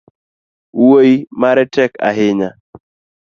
Wuoi mare tek ahinya